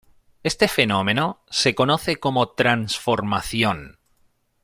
Este fenómeno se conoce como transformación.